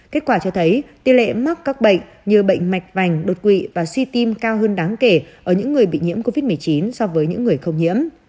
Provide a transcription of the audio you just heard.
kết quả cho thấy tỷ lệ mắc các bệnh như bệnh mạch vành đột quỵ và suy tim cao hơn đáng kể ở những người bị nhiễm covid một mươi chín so với những người không nhiễm